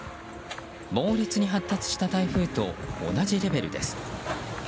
猛烈に発達した台風と同じレベルです。